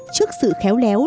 trước sự khéo léo